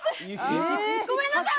えっ？ごめんなさい！